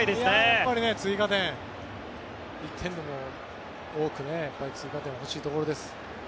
やっぱり追加点１点でも多く追加点が欲しいところです。